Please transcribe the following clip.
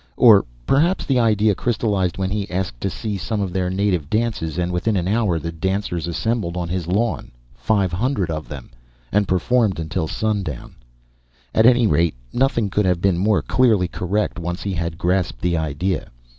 Or perhaps the idea crystallized when he asked to see some of their native dances, and within an hour the dancers assembled on his lawn five hundred of them and performed until sundown. At, any rate, nothing could have been more clearly correct once he had grasped the idea.